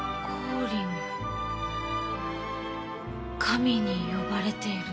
神に呼ばれている。